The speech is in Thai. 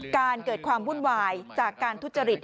เกิดความวุ่นวายจากการทุจริต